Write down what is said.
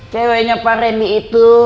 ceweknya pak rendy itu